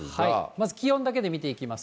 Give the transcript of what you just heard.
まず気温だけで見ていきます。